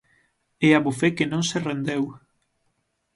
E abofé que non se rendeu.